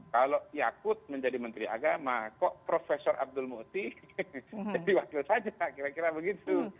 kalau yakut menjadi menteri agama kok profesor abdul muti jadi wakil saja kira kira begitu